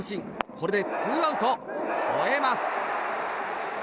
これでツーアウトほえます！